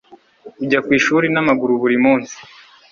Ujya ku ishuri n'amaguru buri munsi?